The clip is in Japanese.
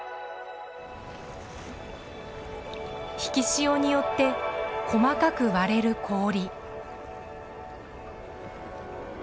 引き潮によって細かく割れる氷。